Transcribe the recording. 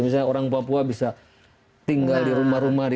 misalnya orang papua bisa tinggal di rumah rumah